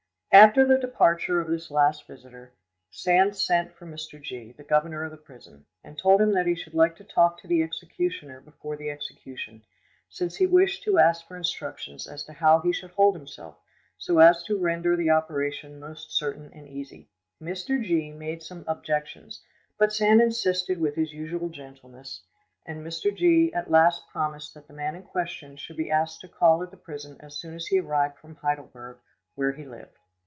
After the departure of this last visitor, Sand sent for Mr. G——, the governor of the prison, and told him that he should like to talk to the executioner before the execution, since he wished to ask for instructions as to how he should hold himself so as to render the operation most certain and easy. Mr. G——made some objections, but Sand insisted with his usual gentleness, and Mr. G——at last promised that the man in question should be asked to call at the prison as soon as he arrived from Heidelberg, where he lived.